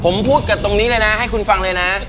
ผมพูดกับตรงนี้เลยนะให้คุณฟังเลยนะ